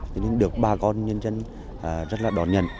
cho nên được bà con nhân dân rất là đón nhận